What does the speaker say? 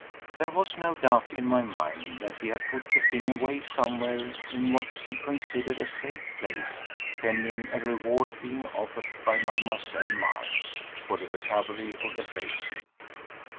There was no doubt in my mind that he had put the thing away somewhere in what he considered a safe place pending a reward being offered by Mlle. Mars for the recovery of the bracelet.